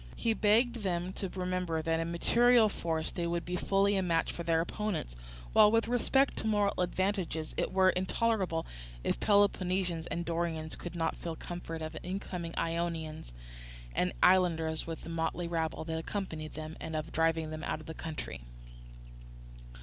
He begged them to remember that in material force they would be fully a match for their opponents, while, with respect to moral advantages, it were intolerable if Peloponnesians and Dorians should not feel confident of overcoming Ionians and islanders with the motley rabble that accompanied them, and of driving them out of the country.